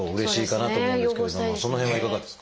その辺はいかがですか？